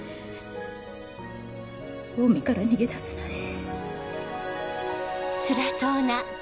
オウミから逃げ出せない。